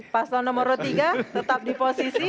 paslon nomor tiga tetap di posisi